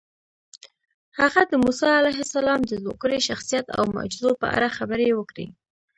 هغه د موسی علیه السلام د زوکړې، شخصیت او معجزو په اړه خبرې وکړې.